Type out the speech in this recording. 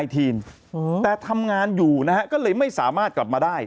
แต่ทำงานอยู่นะฮะก็เลยไม่สามารถกลับมาได้